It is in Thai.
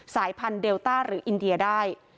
สายพันธุเดลต้าหรืออินเดียได้